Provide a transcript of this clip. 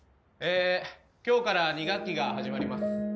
今日から２学期が始まります。